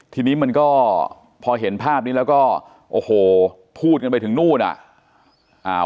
ทีนี้มันก็พอเห็นภาพนี้แล้วก็โอ้โหพูดกันไปถึงนู่นอ่ะอ่า